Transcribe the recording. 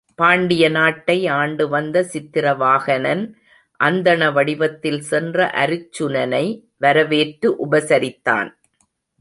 பாண்டிய நாட்டை ஆண்டு வந்த சித்திரவாகனன் அந்தண வடிவத்தில் சென்ற அருச்சுனனை வரவேற்று உபசரித்தான்.